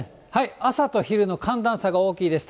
朝と昼の寒暖差が大きいです。